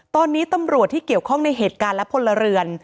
ตอนนี้ตำรวจที่เกี่ยวข้องในเหตุการณ์และพลเรือน